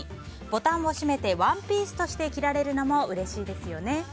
ボタンをしめてワンピースとして着られるのもうれしいですよね。